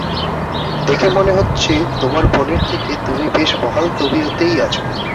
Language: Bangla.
দেখে মনে হচ্ছে তোমার বোনের থেকে তুমি বেশ বহাল তবিয়তেই আছো।